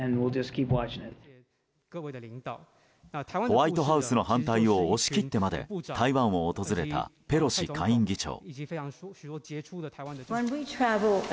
ホワイトハウスの反対を押し切ってまで台湾を訪れたペロシ下院議長。